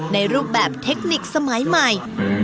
ในรูปแบบเทคนิคสมัยใหม่